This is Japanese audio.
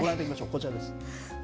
こちらです。